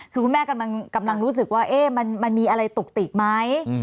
คือคุณแม่กำลังรู้สึกว่ามันมีอะไรตุกติกไหม